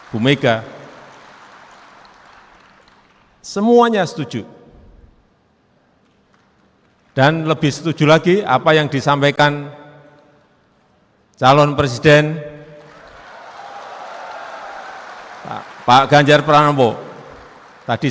beliau sudah melihat kejadian yang sekarang ini kita alami